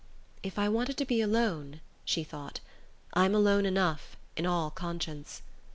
"If I wanted to be alone," she thought, "I'm alone enough, in all conscience."